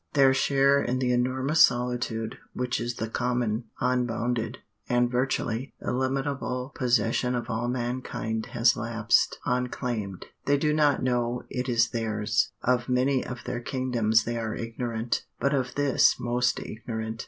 Their share in the enormous solitude which is the common, unbounded, and virtually illimitable possession of all mankind has lapsed, unclaimed. They do not know it is theirs. Of many of their kingdoms they are ignorant, but of this most ignorant.